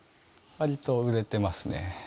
割と売れてますね。